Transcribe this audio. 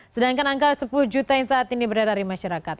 sedangkan angka sepuluh juta yang saat ini berada di masyarakat